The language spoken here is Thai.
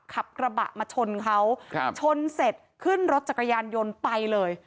ขับกระบะมาชนเขาครับชนเสร็จขึ้นรถจักรยานยนต์ไปเลย